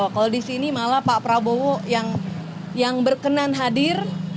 kalau di sini malah pak prabowo yang berkenan hadir